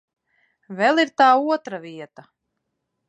Vēl ir tā otra vieta.